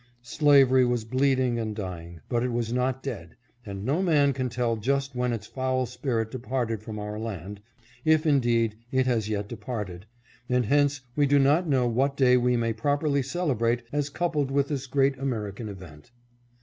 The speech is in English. Slavery was bleeding and dying, but it was not dead, and no man can tell just when its foul spirit departed from our land, if, indeed, it has yet departed, and hence we do not know what day we may properly celebrate as coupled with this great American event.